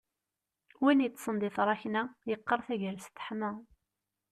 Win yeṭṭsen di tṛakna yeqqar tagrest teḥma